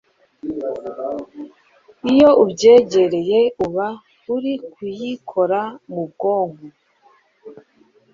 iyo ubyegereye uba uri kuyikora mu bwonko.